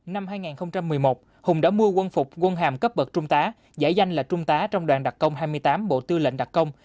năm hai nghìn một mươi một hùng đã mua quân phục quân hàm cấp bậc trung tá giải danh là trung tá trong đoàn đặc công hai mươi tám bộ tư lệnh đặc công